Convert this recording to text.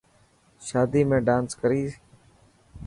شادي ۾ ڊانس ڪري.